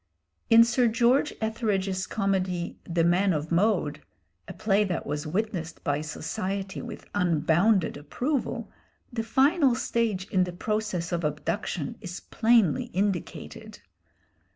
In Sir George Etheredge's comedy, 'The Man of Mode,' a play that was witnessed by society with unbounded approval, the final stage in the process of abduction is plainly indicated.